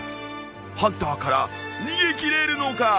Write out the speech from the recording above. ハンターから逃げ切れるのか！？